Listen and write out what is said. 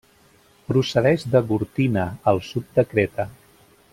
Procedeix de Gortina, al sud de Creta.